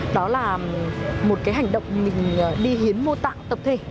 đó là một cái hành động mình đi hiến mô tạng tập thể